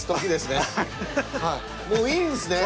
はいもういいんですね。